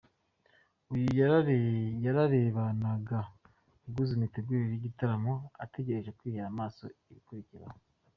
Uyu yarebanaga ubwuzu imitegurire y'igitaramo, ategereje kwihera amaso ibikurikiraho.